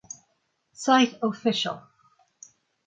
Site official